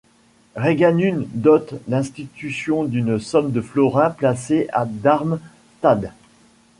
Reinganum dote l'institution d'une somme de florins placée à Darmstadt.